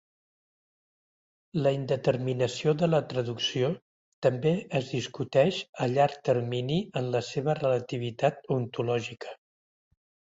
La indeterminació de la traducció també es discuteix a llarg termini en la seva "Relativitat ontològica".